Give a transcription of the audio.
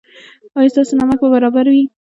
ایا ستاسو نمک به برابر وي؟